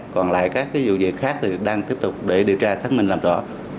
còn lại các vụ việc khác thì đang tiếp tục để điều tra xác minh làm rõ